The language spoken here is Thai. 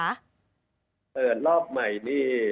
รอบใหม่นี่